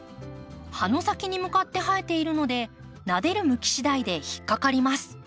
葉の先に向かって生えているのでなでる向きしだいで引っ掛かります。